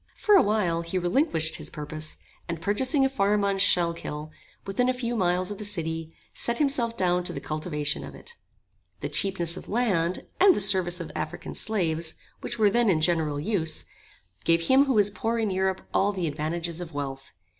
For a while he relinquished his purpose, and purchasing a farm on Schuylkill, within a few miles of the city, set himself down to the cultivation of it. The cheapness of land, and the service of African slaves, which were then in general use, gave him who was poor in Europe all the advantages of wealth.